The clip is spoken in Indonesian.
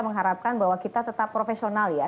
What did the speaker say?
mengharapkan bahwa kita tetap profesional ya